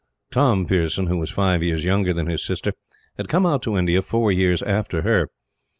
Tom Pearson, who was five years younger than his sister, had come out to India four years after her.